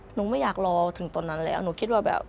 ไม่อยากรอถึงตอนนั้นแล้วหนูคิดว่าแบบ